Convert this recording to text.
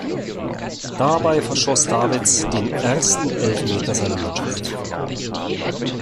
Dabei verschoss Davids den ersten Elfmeter seiner Mannschaft.